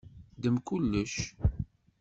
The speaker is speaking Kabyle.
Ddem kullec.